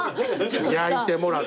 焼いてもらって。